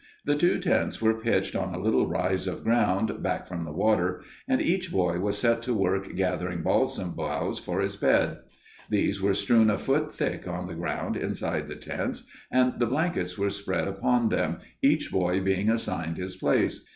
The two tents were pitched on a little rise of ground back from the water, and each boy was set to work gathering balsam boughs for his bed. These were strewn a foot thick on the ground inside the tents and the blankets were spread upon them, each boy being assigned his place.